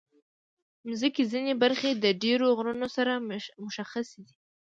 د مځکې ځینې برخې د ډېرو غرونو سره مشخصې دي.